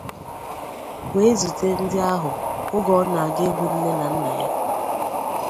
wee zute ndị ahụ oge ọ na-aga ịhụ nne na nna ya